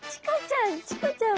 チコちゃん！